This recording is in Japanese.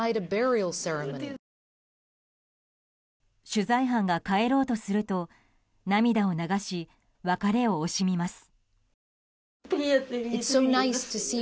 取材班が帰ろうとすると涙を流し、別れを惜しみます。